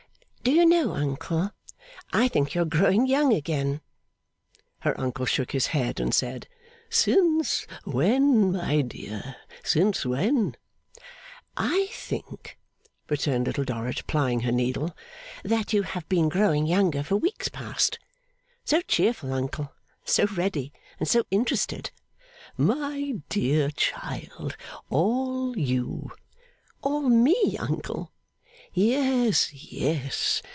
'Do you know, uncle, I think you are growing young again?' Her uncle shook his head and said, 'Since when, my dear; since when?' 'I think,' returned Little Dorrit, plying her needle, 'that you have been growing younger for weeks past. So cheerful, uncle, and so ready, and so interested.' 'My dear child all you.' 'All me, uncle!' 'Yes, yes.